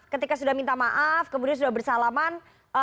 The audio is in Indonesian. ketika sudah minta maaf kemudian sudah bersalaman